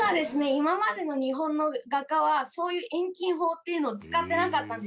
今までの日本の画家はそういう遠近法っていうのを使ってなかったんですね。